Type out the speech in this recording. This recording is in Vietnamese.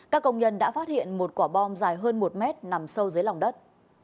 các công nhân đã phát hiện một quả bom dài hơn một mét nằm sâu dưới lòng đất